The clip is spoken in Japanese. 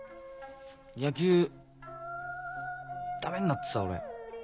野球ダメになったさ俺。